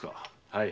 はい。